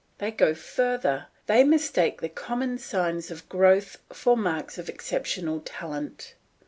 They go further; they mistake the common signs of growth for marks of exceptional talent.